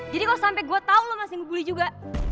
jadi kok sampe gue tau lo masih ngebully juga